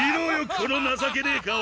この情けねえ顔！